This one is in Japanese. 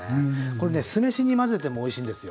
これね酢飯に混ぜてもおいしいんですよ。